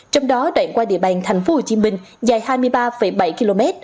trong đó đoạn qua địa bàn tp hcm dài hai mươi ba bảy km